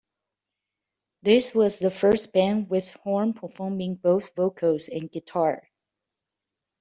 This was the first band with Horne performing both vocals and guitar.